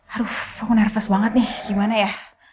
aduh aku nervous banget nih gimana ya